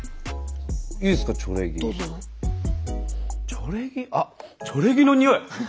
チョレギあっチョレギのにおい！